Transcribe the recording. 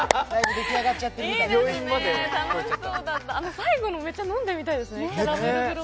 最後のめっちゃ飲んでるみたいでしたね